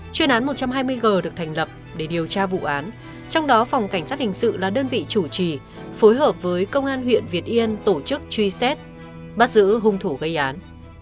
chuyên án một trăm hai mươi g được thành lập để điều tra vụ án trong đó phòng cảnh sát hình sự là đơn vị chủ trì phối hợp với công an huyện việt yên tổ chức truy xét bắt giữ hung thủ gây án